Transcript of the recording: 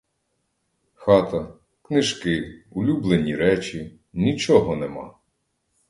Хата, книжки, улюблені, речі — нічого нема.